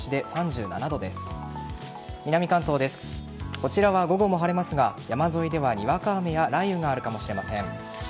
こちらは午後も晴れますが山沿いではにわか雨や雷雨があるかもしれません。